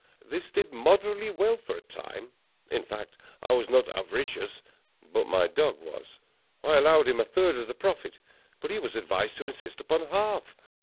This did moderately well for a time;—in fact, I was not avaricious, but my dog was. I allowed him a third of the profit, but he was advised to insist upon half.